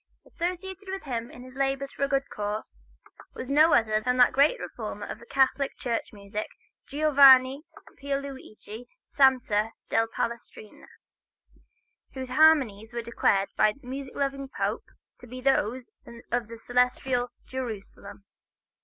Associated with him in his labors for a good cause, was no less a composer than that great reformer of Catholic church music, Giovanni Pierluigi Sante da Palestrina, whose harmonies were declared by a music loving Pope to be those of the celestial Jerusalem.